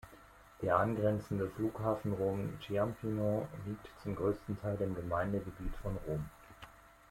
Der angrenzende Flughafen Rom-Ciampino liegt zum größten Teil im Gemeindegebiet von Rom.